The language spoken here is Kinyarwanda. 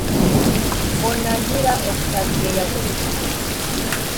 mbonankira octavien yagurishije inzu